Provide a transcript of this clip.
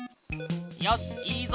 よしいいぞ。